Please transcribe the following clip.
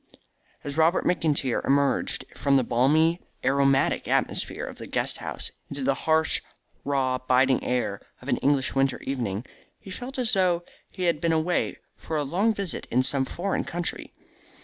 As Robert McIntyre emerged from the balmy aromatic atmosphere of the great house, into the harsh, raw, biting air of an English winter evening, he felt as though he had been away for a long visit in some foreign country.